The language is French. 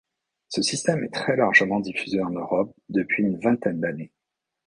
Ce système est très largement diffusé en Europe depuis une vingtaine d'années.